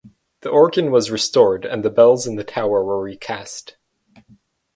The organ was restored and the bells in the tower were recast.